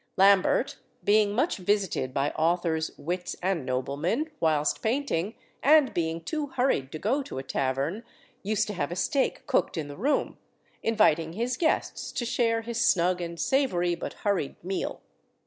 Lambert, being much visited by authors, wits, and noblemen, whilst painting, and being too hurried to go to a tavern, used to have a steak cooked in the room, inviting his guests to share his snug and savoury but hurried meal.